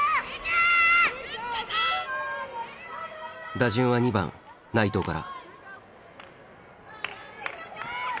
打順は２番内藤から。